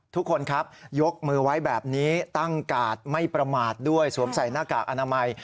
ทุกคนครับยกมือไว้แบบนี้ตั้งกาดไม่ประมาทด้วยสวมใส่หน้ากากอนามัย